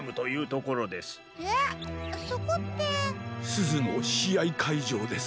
すずのしあいかいじょうです。